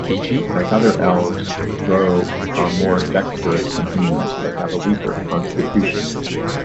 Like other elves, Drow are more dexterous than humans, but have a weaker constitution.